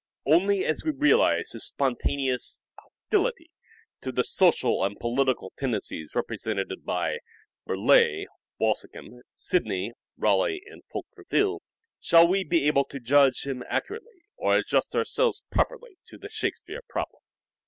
Only as we realize his spontaneous hostility to the social and political tendencies represented by Burleigh, Walsingham, Sidney, Raleigh and Fulke Greville shall we be able to judge him accurately or adjust ourselves properly to the Shakespeare problem.